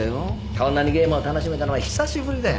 こんなにゲームを楽しめたのは久しぶりだよ。